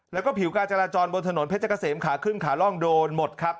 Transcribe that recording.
แล้วก็ผิวการจราจรบนถนนเพชรเกษมขาขึ้นขาล่องโดนหมดครับ